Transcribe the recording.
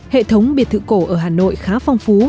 hệ thống biệt thự cổ ở hà nội khá phong phú